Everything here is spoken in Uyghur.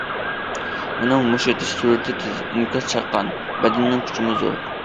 ئۇنىڭ مۇشت ئېتىش سۈرئىتى تېز، ئىنكاسى چاققان، بەدىنىنىڭ كۈچىمۇ زور.